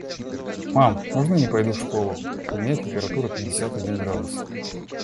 Мам, можно я не пойду в школу? У меня температура, пятьдесят один градус!